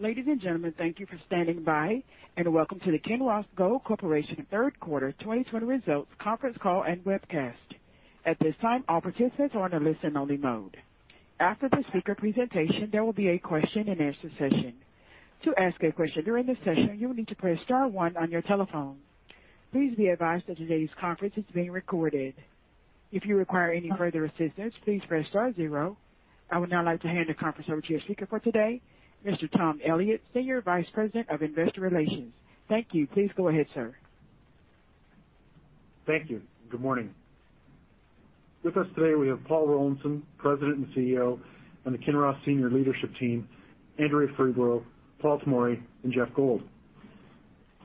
Ladies and gentlemen, thank you for standing by, and welcome to the Kinross Gold Corporation third quarter 2020 results conference call and webcast. At this time, all participants are in a listen-only mode. After the speaker presentation, there will be a question-and-answer session. To ask a question during the session, you will need to press star one on your telephone. Please be advised that today's conference is being recorded. If you require any further assistance, please press star zero. I would now like to hand the conference over to your speaker for today, Mr. Tom Elliott, Senior Vice President of Investor Relations. Thank you. Please go ahead, sir. Thank you. Good morning. With us today, we have Paul Rollinson, President and CEO, and the Kinross senior leadership team, Andrea Freeborough, Paul Tomory, and Geoff Gold.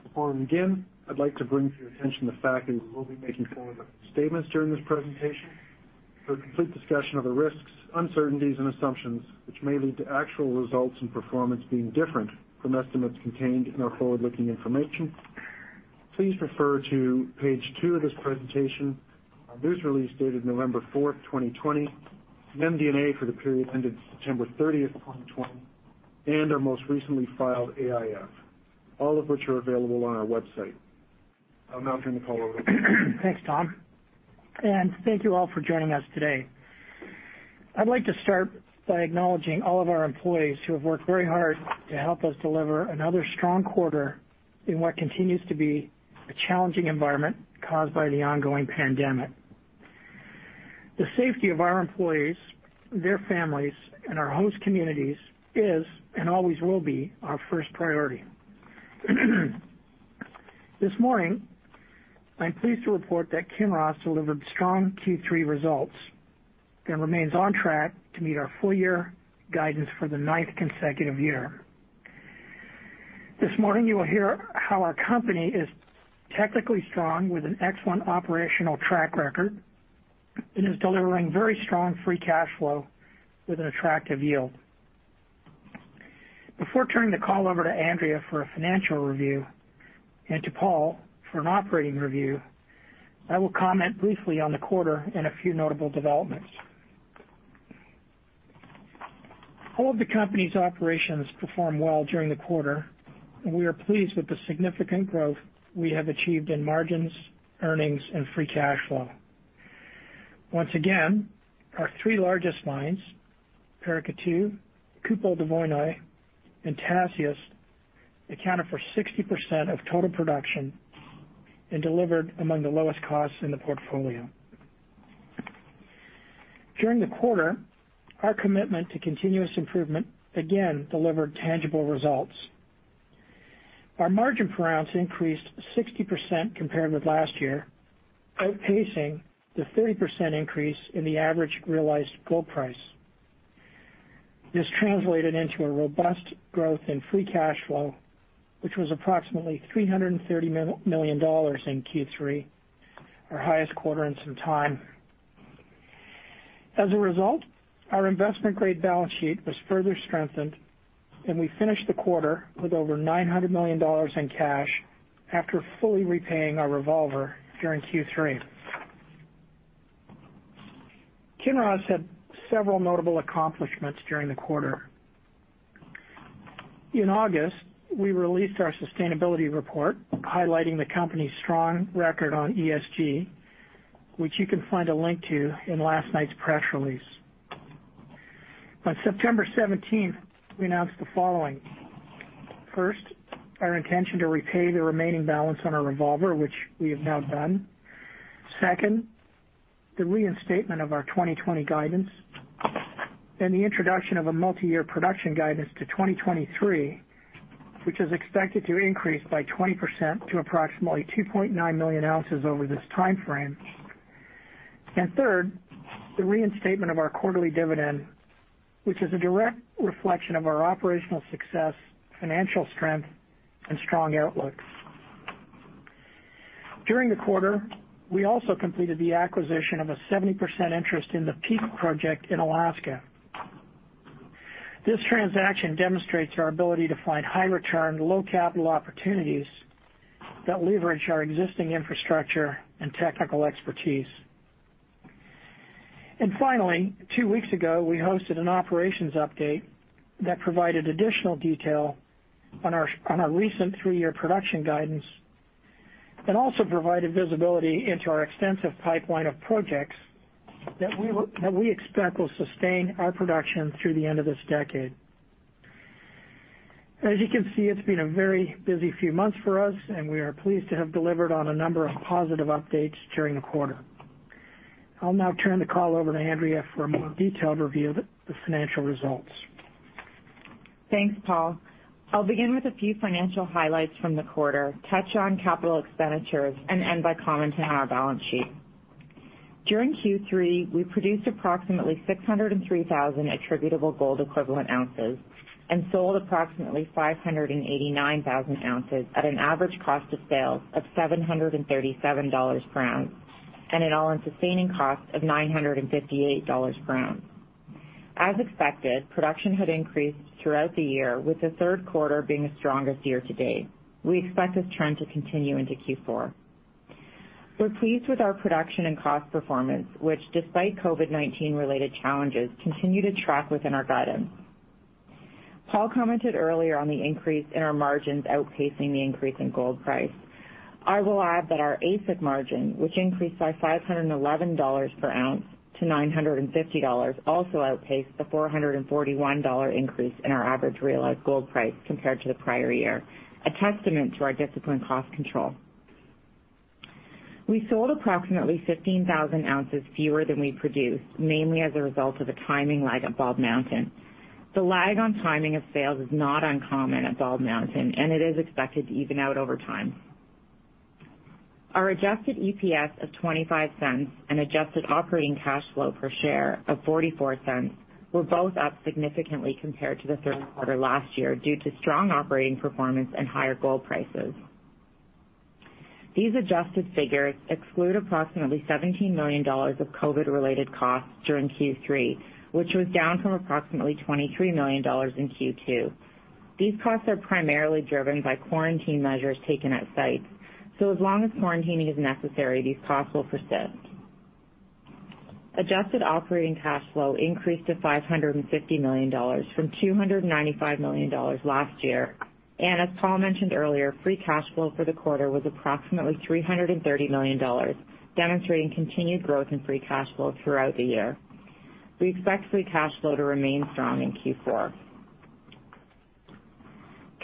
Before we begin, I'd like to bring to your attention the fact that we will be making forward-looking statements during this presentation. For a complete discussion of the risks, uncertainties, and assumptions which may lead to actual results and performance being different from estimates contained in our forward-looking information, please refer to page two of this presentation, our news release dated November fourth, 2020, MD&A for the period ending September 30th, 2020, and our most recently filed AIF, all of which are available on our website. I'll now turn the call over. Thanks, Tom, and thank you all for joining us today. I'd like to start by acknowledging all of our employees who have worked very hard to help us deliver another strong quarter in what continues to be a challenging environment caused by the ongoing pandemic. The safety of our employees, their families, and our host communities is, and always will be, our first priority. This morning, I'm pleased to report that Kinross delivered strong Q3 results and remains on track to meet our full-year guidance for the ninth consecutive year. This morning, you will hear how our company is technically strong with an excellent operational track record and is delivering very strong free cash flow with an attractive yield. Before turning the call over to Andrea for a financial review and to Paul for an operating review, I will comment briefly on the quarter and a few notable developments. All of the company's operations performed well during the quarter, and we are pleased with the significant growth we have achieved in margins, earnings, and free cash flow. Once again, our three largest mines, Paracatu, Kupol-Dvoinoye, and Tasiast, accounted for 60% of total production and delivered among the lowest costs in the portfolio. During the quarter, our commitment to continuous improvement again delivered tangible results. Our margin per ounce increased 60% compared with last year, outpacing the 30% increase in the average realized gold price. This translated into a robust growth in free cash flow, which was approximately $330 million in Q3, our highest quarter in some time. As a result, our investment-grade balance sheet was further strengthened, and we finished the quarter with over $900 million in cash after fully repaying our revolver during Q3. Kinross had several notable accomplishments during the quarter. In August, we released our sustainability report highlighting the company's strong record on ESG, which you can find a link to in last night's press release. On September 17th, we announced the following. First, our intention to repay the remaining balance on our revolver, which we have now done. Second, the reinstatement of our 2020 guidance and the introduction of a multiyear production guidance to 2023, which is expected to increase by 20% to approximately 2.9 million ounces over this timeframe. Third, the reinstatement of our quarterly dividend, which is a direct reflection of our operational success, financial strength, and strong outlooks. During the quarter, we also completed the acquisition of a 70% interest in the Peak project in Alaska. This transaction demonstrates our ability to find high-return, low-capital opportunities that leverage our existing infrastructure and technical expertise. Finally, two weeks ago, we hosted an operations update that provided additional detail on our recent three-year production guidance and also provided visibility into our extensive pipeline of projects that we expect will sustain our production through the end of this decade. As you can see, it's been a very busy few months for us, and we are pleased to have delivered on a number of positive updates during the quarter. I'll now turn the call over to Andrea for a more detailed review of the financial results. Thanks, Paul. I'll begin with a few financial highlights from the quarter, touch on capital expenditures, end by commenting on our balance sheet. During Q3, we produced approximately 603,000 attributable gold equivalent ounces and sold approximately 589,000 oz at an average cost of sales of $737 per oz and an All-In Sustaining Cost of $958 per oz. As expected, production had increased throughout the year, with the third quarter being the strongest year-to-date. We expect this trend to continue into Q4. We're pleased with our production and cost performance, which despite COVID-19 related challenges, continue to track within our guidance. Paul commented earlier on the increase in our margins outpacing the increase in gold price. I will add that our AISC margin, which increased by $511 per oz to $950, also outpaced the $441 increase in our average realized gold price compared to the prior year, a testament to our disciplined cost control. We sold approximately 15,000 oz fewer than we produced, mainly as a result of the timing lag at Bald Mountain. The lag on timing of sales is not uncommon at Bald Mountain, and it is expected to even out over time. Our adjusted EPS of $0.25 and adjusted operating cash flow per share of $0.44 were both up significantly compared to the third quarter last year, due to strong operating performance and higher gold prices. These adjusted figures exclude approximately $17 million of COVID related costs during Q3, which was down from approximately $23 million in Q2. These costs are primarily driven by quarantine measures taken at sites. As long as quarantining is necessary, these costs will persist. Adjusted operating cash flow increased to $550 million from $295 million last year. As Paul mentioned earlier, free cash flow for the quarter was approximately $330 million, demonstrating continued growth in free cash flow throughout the year. We expect free cash flow to remain strong in Q4.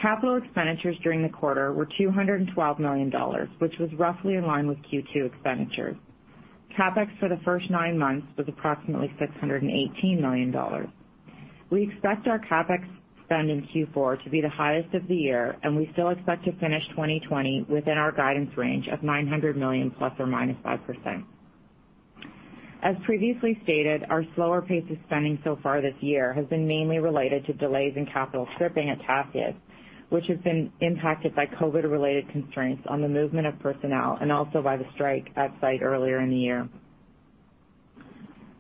Capital expenditures during the quarter were $212 million, which was roughly in line with Q2 expenditures. CapEx for the first nine months was approximately $618 million. We expect our CapEx spend in Q4 to be the highest of the year, and we still expect to finish 2020 within our guidance range of $900 million ±5%. As previously stated, our slower pace of spending so far this year has been mainly related to delays in capital stripping at Tasiast, which has been impacted by COVID-related constraints on the movement of personnel, and also by the strike at site earlier in the year.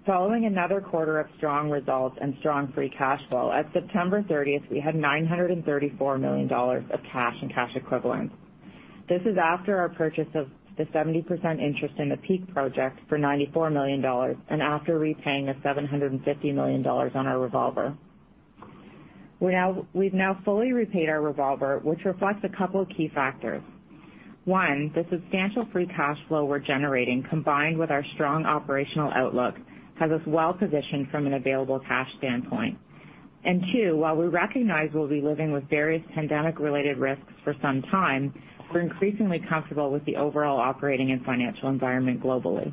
Following another quarter of strong results and strong free cash flow, at September 30th, we had $934 million of cash and cash equivalents. This is after our purchase of the 70% interest in the Peak project for $94 million and after repaying the $750 million on our revolver. We've now fully repaid our revolver, which reflects a couple of key factors. One, the substantial free cash flow we're generating, combined with our strong operational outlook, has us well positioned from an available cash standpoint. Two, while we recognize we'll be living with various pandemic related risks for some time, we're increasingly comfortable with the overall operating and financial environment globally.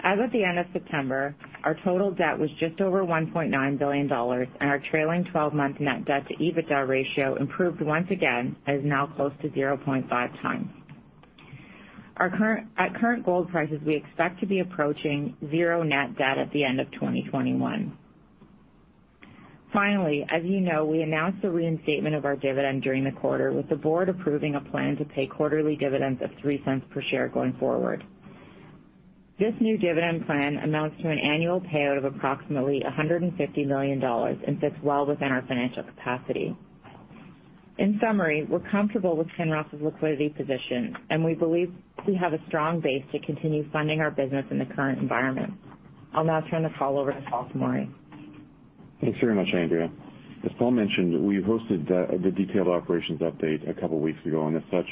As of the end of September, our total debt was just over $1.9 billion, and our trailing 12-month net debt to EBITDA ratio improved once again and is now close to 0.5x. At current gold prices, we expect to be approaching zero net debt at the end of 2021. Finally, as you know, we announced the reinstatement of our dividend during the quarter, with the board approving a plan to pay quarterly dividends of $0.03 per share going forward. This new dividend plan amounts to an annual payout of approximately $150 million and fits well within our financial capacity. In summary, we're comfortable with Kinross's liquidity position, and we believe we have a strong base to continue funding our business in the current environment. I'll now turn the call over to Paul Tomory. Thanks very much, Andrea. As Paul Rollinson mentioned, we hosted the detailed operations update a couple of weeks ago, and as such,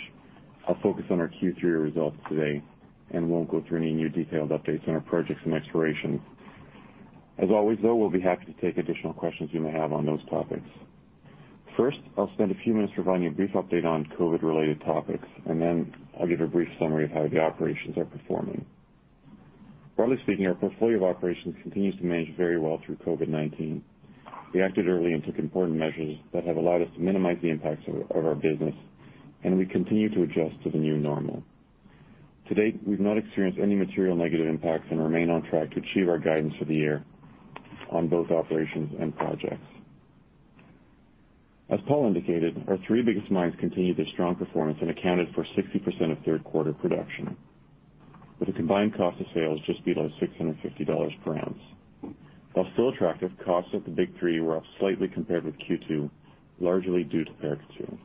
I'll focus on our Q3 results today and won't go through any new detailed updates on our projects and exploration. As always, though, we'll be happy to take additional questions you may have on those topics. First, I'll spend a few minutes providing a brief update on COVID related topics, and then I'll give a brief summary of how the operations are performing. Broadly speaking, our portfolio of operations continues to manage very well through COVID-19. We acted early and took important measures that have allowed us to minimize the impacts of our business, and we continue to adjust to the new normal. To date, we've not experienced any material negative impacts and remain on track to achieve our guidance for the year on both operations and projects. As Paul indicated, our three biggest mines continued their strong performance and accounted for 60% of Q3 production with a combined cost of sales just below $650 per oz. While still attractive, costs at the big three were up slightly compared with Q2, largely due to Paracatu.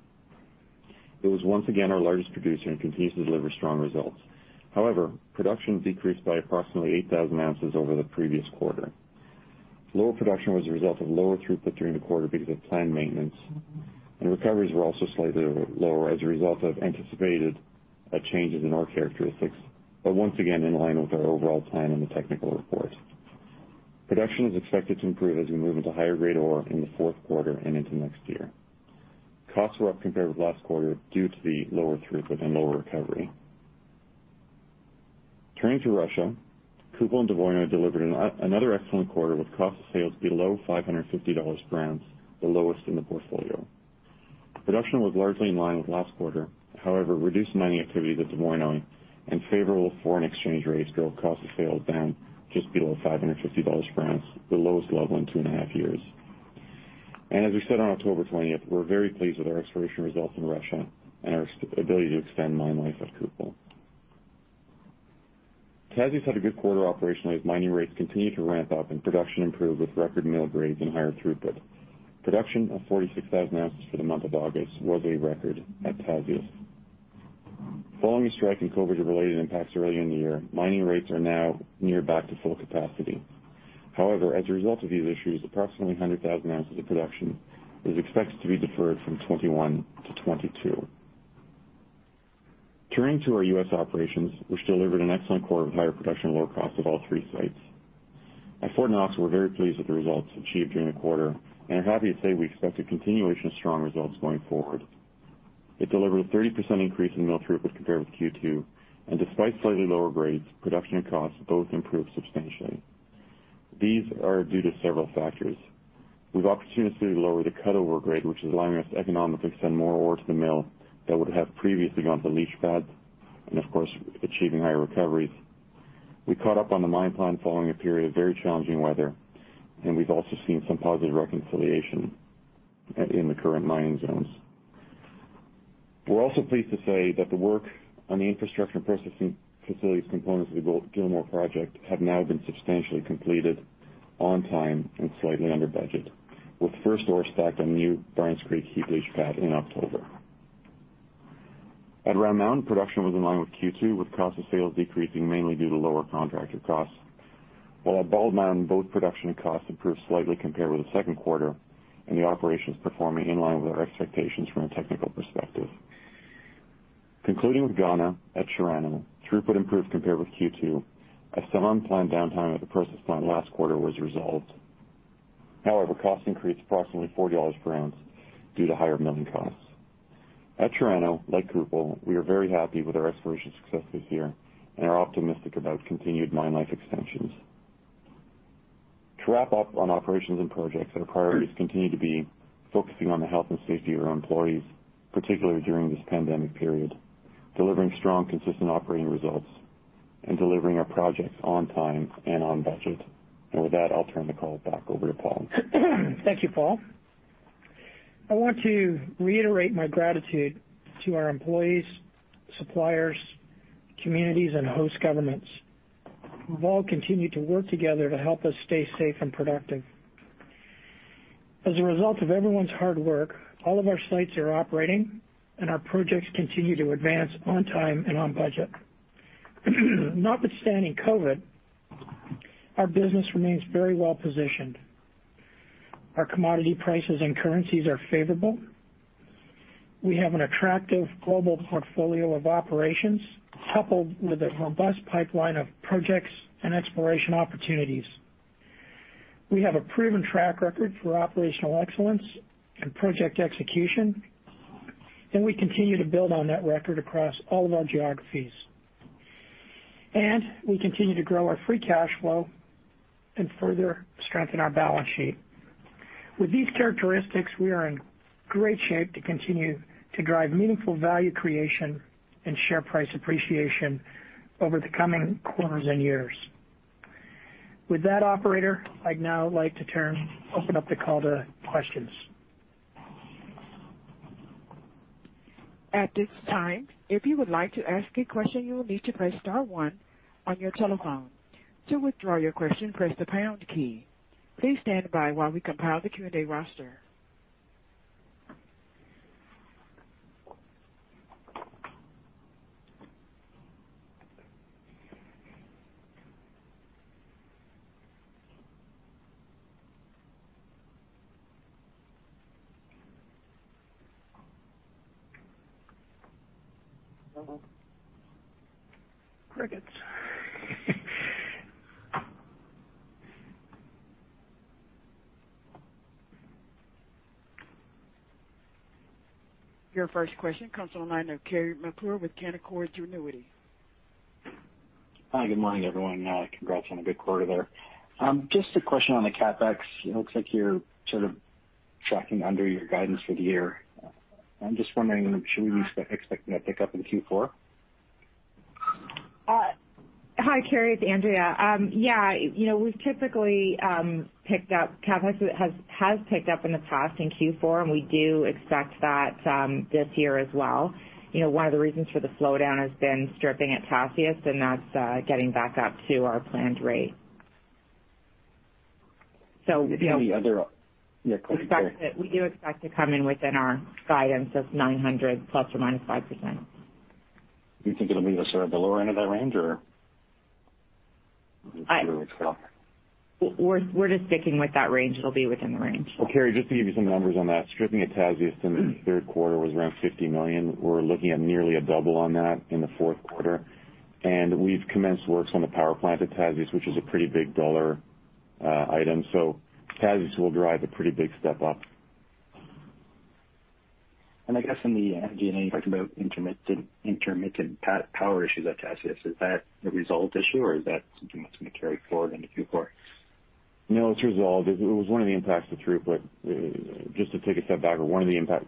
It was once again our largest producer and continues to deliver strong results. However, production decreased by approximately 8,000 ounces over the previous quarter. Lower production was a result of lower throughput during the quarter because of planned maintenance, and recoveries were also slightly lower as a result of anticipated changes in ore characteristics, but once again, in line with our overall plan in the technical report. Production is expected to improve as we move into higher grade ore in the fourth quarter and into next year. Costs were up compared with last quarter due to the lower throughput and lower recovery. Turning to Russia, Kupol and Dvoinoye delivered another excellent quarter with cost of sales below $550 per oz, the lowest in the portfolio. Production was largely in line with last quarter, however, reduced mining activity at Dvoinoye and favorable foreign exchange rates drove cost of sales down just below $550 per oz, the lowest level in two and a half years. As we said on October 20th, we're very pleased with our exploration results in Russia and our ability to extend mine life at Kupol. Tasiast had a good quarter operationally as mining rates continued to ramp up and production improved with record mill grades and higher throughput. Production of 46,000 oz for the month of August was a record at Tasiast. Following the strike and COVID-related impacts early in the year, mining rates are now near back to full capacity. However, as a result of these issues, approximately 100,000 oz of production is expected to be deferred from 2021 to 2022. Turning to our U.S. operations, which delivered an excellent quarter of higher production and lower cost at all three sites. At Fort Knox, we're very pleased with the results achieved during the quarter and are happy to say we expect a continuation of strong results going forward. It delivered a 30% increase in mill throughput compared with Q2, and despite slightly lower grades, production and costs both improved substantially. These are due to several factors. We've opportunistically lowered the cut-off grade, which is allowing us to economically send more ore to the mill that would have previously gone to leach pad, and of course, achieving higher recoveries. We caught up on the mine plan following a period of very challenging weather, and we've also seen some positive reconciliation in the current mining zones. We're also pleased to say that the work on the infrastructure and processing facilities components of the Gilmore project have now been substantially completed on time and slightly under budget, with first ore stacked on the new Barnes Creek heap leach pad in October. At Round Mountain, production was in line with Q2, with cost of sales decreasing mainly due to lower contractor costs. While at Bald Mountain, both production and costs improved slightly compared with the second quarter and the operation is performing in line with our expectations from a technical perspective. Concluding with Ghana, at Chirano, throughput improved compared with Q2, as some unplanned downtime at the process plant last quarter was resolved. Costs increased approximately $40 per oz due to higher milling costs. At Chirano, like Kupol, we are very happy with our exploration success this year and are optimistic about continued mine life extensions. To wrap up on operations and projects, our priorities continue to be focusing on the health and safety of our employees, particularly during this pandemic period, delivering strong, consistent operating results, and delivering our projects on time and on budget. With that, I'll turn the call back over to Paul. Thank you, Paul. I want to reiterate my gratitude to our employees, suppliers, communities, and host governments, who have all continued to work together to help us stay safe and productive. As a result of everyone's hard work, all of our sites are operating, and our projects continue to advance on time and on budget. Notwithstanding COVID, our business remains very well-positioned. Our commodity prices and currencies are favorable. We have an attractive global portfolio of operations coupled with a robust pipeline of projects and exploration opportunities. We have a proven track record for operational excellence and project execution, and we continue to build on that record across all of our geographies. We continue to grow our free cash flow and further strengthen our balance sheet. With these characteristics, we are in great shape to continue to drive meaningful value creation and share price appreciation over the coming quarters and years. With that, operator, I'd now like to open up the call to questions. At this time, if you would like to ask a question, you will need to press star one on your telephone. To withdraw your question, press the pound key. Please stand by while we compile the Q&A roster. Crickets. Your first question comes on the line of Carey MacRury with Canaccord Genuity. Hi, good morning, everyone. Congrats on a good quarter there. Just a question on the CapEx. It looks like you're sort of tracking under your guidance for the year. I'm just wondering, should we be expecting a pickup in Q4? Hi, Carey, it's Andrea. Yeah, we've typically picked up CapEx. It has picked up in the past in Q4, and we do expect that this year as well. One of the reasons for the slowdown has been stripping at Tasiast, and that's getting back up to our planned rate. Any other- We do expect to come in within our guidance of $900 million ±5%. Do you think it'll be the sort of the lower end of that range, or? We're just sticking with that range. It'll be within the range. Carey, just to give you some numbers on that, stripping at Tasiast in Q3 was around $50 million. We're looking at nearly a double on that in Q4. We've commenced works on the power plant at Tasiast, which is a pretty big dollar item. Tasiast will drive a pretty big step up. I guess in the MD&A, you talked about intermittent power issues at Tasiast. Is that a resolved issue, or is that something that's going to carry forward into Q4? No, it's resolved. It was one of the impacts to throughput. Just to take a step back, two of the impacts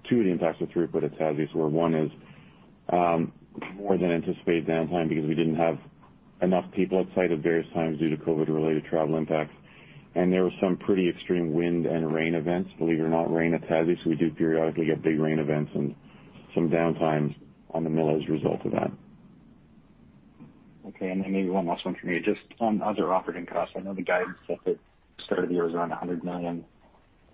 to throughput at Tasiast were one is more than anticipated downtime because we didn't have enough people at site at various times due to COVID-related travel impacts. There was some pretty extreme wind and rain events. Believe it or not, rain at Tasiast. We do periodically get big rain events and some downtimes on the mill as a result of that. Okay. Maybe one last one from me, just on other operating costs. I know the guidance at the start of the year was around $100 million.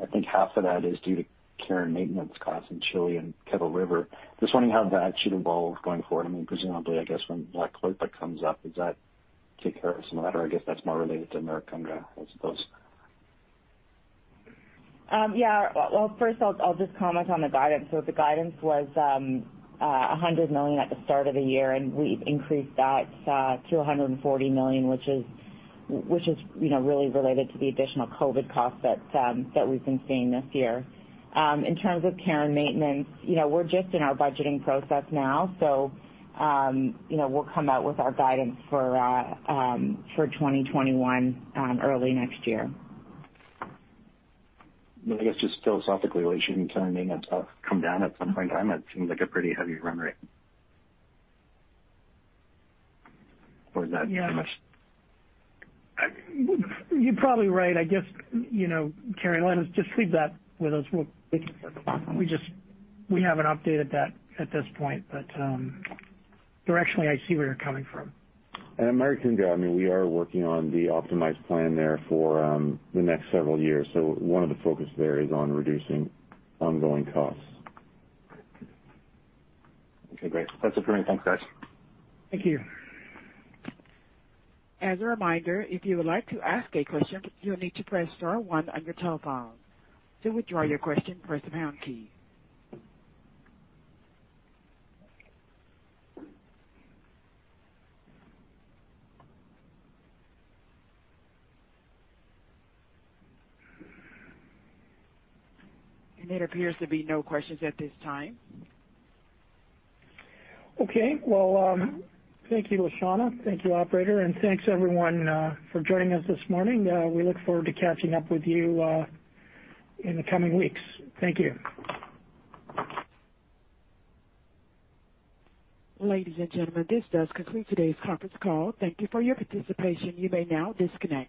I think half of that is due to care and maintenance costs in Chile and Kettle River. Wondering how that should evolve going forward. Presumably, I guess when La Coipa comes up, does that take care of some of that? That's more related to American Rare, I suppose. Yeah. Well, first I'll just comment on the guidance. The guidance was $100 million at the start of the year, and we've increased that to $140 million, which is really related to the additional COVID costs that we've been seeing this year. In terms of care and maintenance, we're just in our budgeting process now, so we'll come out with our guidance for 2021 early next year. I guess just philosophically, should care and maintenance come down at some point in time? It seems like a pretty heavy run rate. Is that too much? You're probably right. I guess, Carey, why don't just leave that with us? We'll take it from there. We haven't updated that at this point, but directionally, I see where you're coming from. At American Rare, we are working on the optimized plan there for the next several years. One of the focus there is on reducing ongoing costs. Okay, great. That's it for me. Thanks, guys. Thank you. As a reminder, if you would like to ask a question, you'll need to press star one on your telephone. To withdraw your question, press the pound key. There appears to be no questions at this time. Okay. Well, thank you, Leshana. Thank you, operator, and thanks, everyone, for joining us this morning. We look forward to catching up with you in the coming weeks. Thank you. Ladies and gentlemen, this does conclude today's conference call. Thank you for your participation. You may now disconnect.